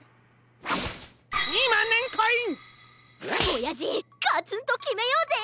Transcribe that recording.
おやじガツンときめようぜ！